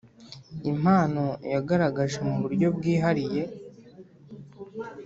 Impano yagaragaje mu buryo bwihariye.